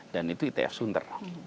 dan itu itf sunter